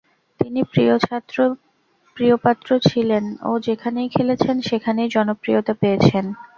তিনি প্রিয়পাত্র ছিলেন ও যেখানেই খেলেছেন সেখানেই জনপ্রিয়তা পেয়েছেন।